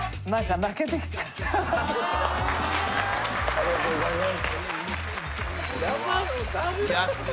ありがとうございます。